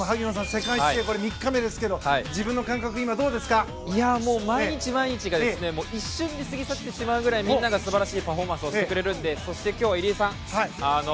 世界水泳３日目ですが毎日、毎日が一瞬で過ぎ去ってしまうくらいみんなが素晴らしいパフォーマンスをしてくれるのでそして、今日入江さん